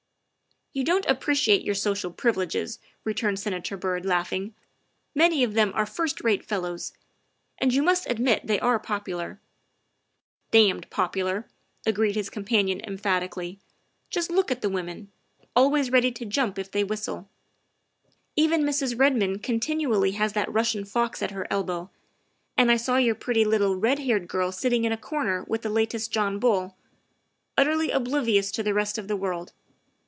" You don't appreciate your social privileges," re turned Senator Byrd, laughing; " many of them are first rate fellows. And you must admit they are popu lar." " Damned popular!" agreed his companion emphati cally. "Just look at the women. Always ready to jump if they whistle. Even Mrs. Redmond continually has that Russian fox at her elbow, and I saw your pretty little red haired girl sitting in a corner with the latest John Bull, utterly oblivious to the rest of the world.